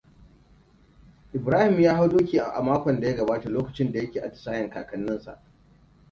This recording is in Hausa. Ibrahim ya hau doki a makon da ya gabata lokacin da yake atisayen kakanninsa.